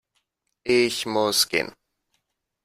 Ich muss gehen